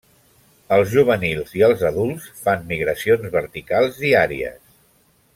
Els juvenils i els adults fan migracions verticals diàries.